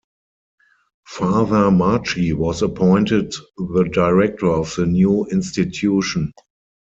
Father Marchi was appointed the director of the new institution.